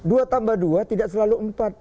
dua tambah dua tidak selalu empat